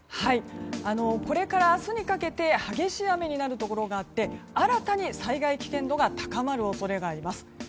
これから明日にかけて激しい雨になるところがあって新たに災害危険度が高まる恐れがあります。